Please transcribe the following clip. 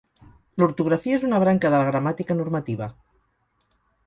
L'ortografia és una branca de la gramàtica normativa.